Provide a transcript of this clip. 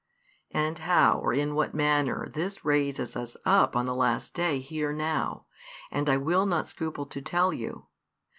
And how or in what manner this raises us up on the last day hear now; and I will not scruple to tell you.